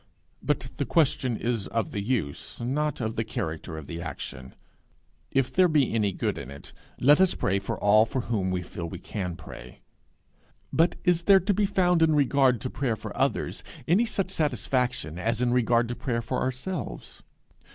but the question is of the use, not of the character of the action: if there be any good in it, let us pray for all for whom we feel we can pray; but is there to be found in regard to prayer for others any such satisfaction as in regard to prayer for ourselves?